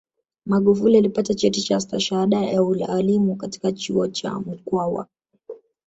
magufuli alipata cheti cha stashahada ya ualimu katika chuo cha mkwawa